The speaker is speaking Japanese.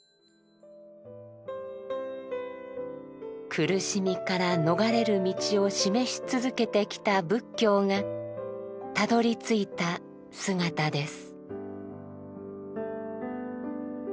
苦しみから逃れる道を示し続けてきた仏教がたどりついた姿です。